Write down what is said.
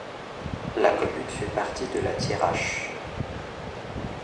La commune fait partie de la Thiérache.